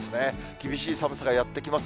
厳しい寒さがやって来ます。